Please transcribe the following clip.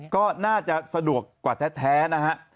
ก็น่าจะสะดวกกว่าแท้นะฮะ